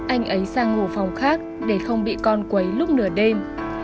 anh ấy sang ngủ phòng khác để không bị con quấy lúc nửa đêm